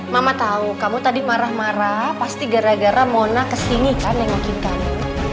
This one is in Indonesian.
mama tahu kamu tadi marah marah pasti gara gara mona kesini kan nengokin kamu